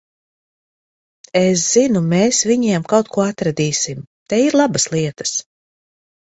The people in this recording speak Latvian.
Es zinu, mēs viņiem kaut ko atradīsim. Te ir labas lietas.